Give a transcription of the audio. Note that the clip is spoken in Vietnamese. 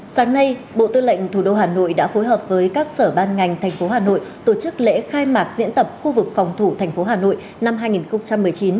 sáng nay bộ tư lệnh thủ đô hà nội đã phối hợp với các sở ban ngành thành phố hà nội tổ chức lễ khai mạc diễn tập khu vực phòng thủ thành phố hà nội năm hai nghìn một mươi chín